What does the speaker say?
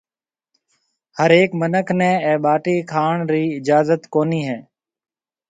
ھر ھيَََڪ مِنک نَي اَي ٻاٽِي کاوڻ رِي اِجازت ڪوني هيَ۔